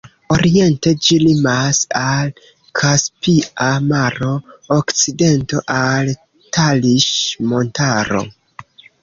Oriente ĝi limas al Kaspia maro, okcidento al Taliŝ-Montaro.